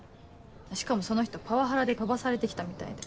しかもその人パワハラで飛ばされて来たみたいで。